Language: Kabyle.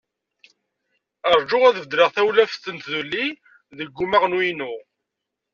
Rju ad beddleɣ tawlaft n tduli deg umaɣnu-inu.